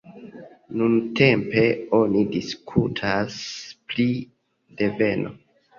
Nuntempe oni diskutas pri deveno.